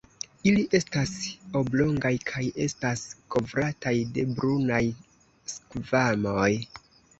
Ili estas oblongaj kaj estas kovrataj de brunaj skvamoj.